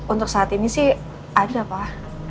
untuk saat ini sih ada pak